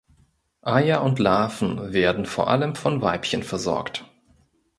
Eier und Larven werden vor allem vom Weibchen versorgt.